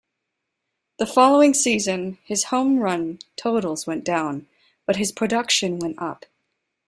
The following season, his home run totals went down, but his production went up.